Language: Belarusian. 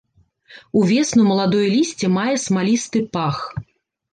Увесну маладое лісце мае смалісты пах.